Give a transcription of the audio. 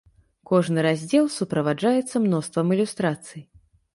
Кожны раздзел суправаджаецца мноствам ілюстрацый.